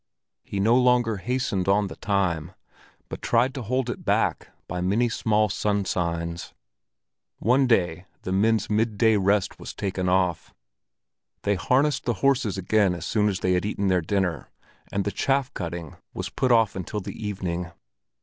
He no longer hastened on the time, but tried to hold it back by many small sun signs. One day the men's midday rest was taken off. They harnessed the horses again as soon as they had eaten their dinner, and the chaff cutting was put off until the evening.